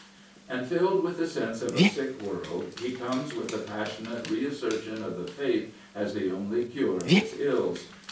And, filled with the sense of a sick world, he comes with the passionate reassertion of the faith as the only cure of its ills.